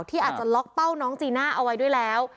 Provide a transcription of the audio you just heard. ที่อาจจะล็อกเป้าน้องจีน่าเอาไว้ด้วยแล้ว